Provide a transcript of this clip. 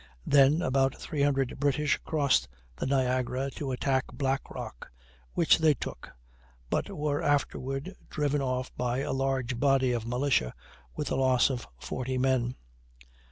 Then about 300 British crossed the Niagara to attack Black Rock, which they took, but were afterward driven off by a large body of militia with the loss of 40 men.